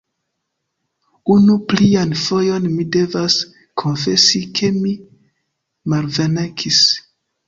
Unu plian fojon mi devas konfesi ke mi malvenkis.